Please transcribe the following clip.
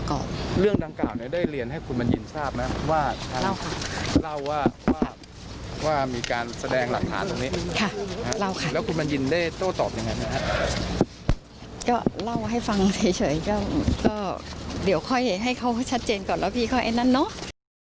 ก็เล่าให้ฟังเฉยก็เดี๋ยวค่อยให้เขาให้ชัดเจนก่อนแล้วพี่เขาไอ้นั่นเนอะ